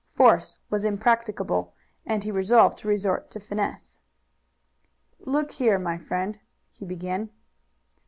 Force was impracticable, and he resolved to resort to finesse. "Look here, my friend," he began.